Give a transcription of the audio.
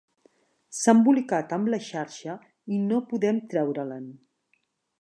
S'ha embolicat amb la xarxa i no podem treure-l'en.